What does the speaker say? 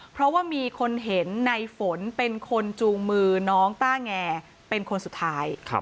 เพราะว่ามีคนเห็นในฝนเป็นคนจูงมือน้องต้าแงเป็นคนสุดท้าย